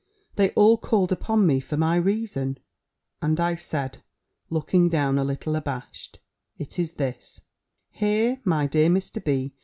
They all called upon me for my reason; and I said, looking down a little abashed, "It is this: Here my dear Mr. B.